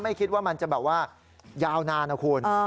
ไม่คิดว่ามันจะแบบว่ายาวนานนะคุณ